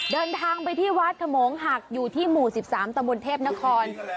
เดินทางไปที่วัดขมงหักอยู่ที่หมู่๑๓ตะบนเทพนคร